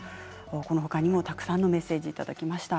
このほかにもたくさんのメッセージいただきました。